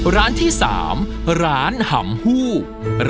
ร้านที่สามร้านฮำภูทร์